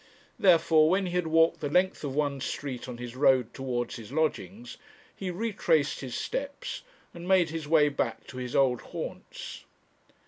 Therefore, when he had walked the length of one street on his road towards his lodgings, he retraced his steps and made his way back to his old haunts.